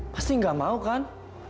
pasti gak mau kan